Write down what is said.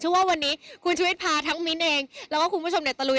ว่าวันนี้คุณชุวิตพาทั้งมิ้นเองแล้วก็คุณผู้ชมเนี่ยตะลุย